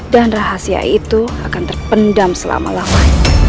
dan rahasia itu akan terpendam selama lama